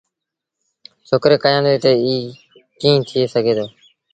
ڇوڪري ڪيآݩدي تا ايٚ ڪيٚݩ ٿئي سگھي دو